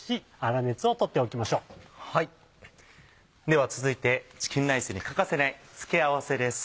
では続いてチキンライスに欠かせない付け合わせです。